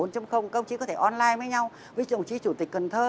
các ông chí có thể online với nhau với đồng chí chủ tịch cần thơ